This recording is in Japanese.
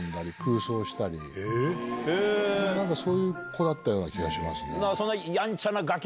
そういう子だったような気がしますね。